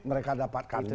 mereka dapatkan juga